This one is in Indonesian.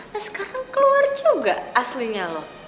nah sekarang keluar juga aslinya loh